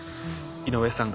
井上さん